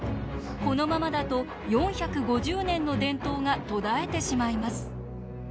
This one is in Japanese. このままだと、４５０年の伝統が途絶えてしまいます。